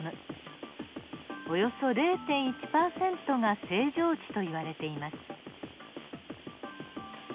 およそ０．１％が正常値といわれています。